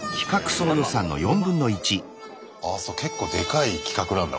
結構でかい企画なんだ。